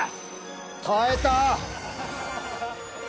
耐えた。